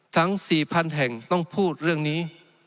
๔๐๐๐แห่งต้องพูดเรื่องนี้